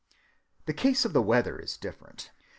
The case of the weather is different.